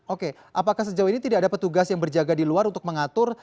oke apakah sejauh ini tidak ada petugas yang berjaga di luar untuk mengatur